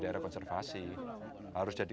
daerah konservasi harus jadi